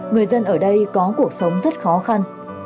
người dân ở đây có cuộc sống rất khó khăn